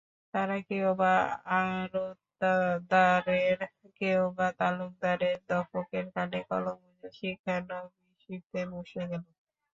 তারা কেউ-বা আড়তদারের, কেউ-বা তালুকদারের দফতরে কানে কলম গুঁজে শিক্ষানবিশিতে বসে গেল।